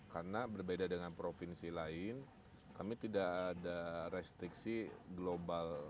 karena berbeda dengan provinsi lain kami tidak ada restriksi global